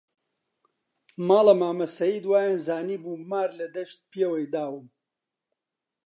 ماڵە مامە سەید وەیانزانیبوو مار لە دەشت پێوەی داوم